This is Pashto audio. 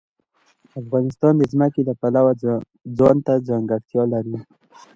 افغانستان د ځمکه د پلوه ځانته ځانګړتیا لري.